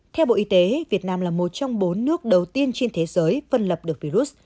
theo bộ y tế việt nam là một trong bốn nước đầu tiên trên thế giới phân lập được virus